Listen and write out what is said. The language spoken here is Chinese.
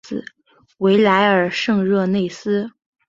维莱尔圣热内斯。